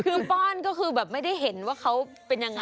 คือป้อนก็คือแบบไม่ได้เห็นว่าเขาเป็นยังไง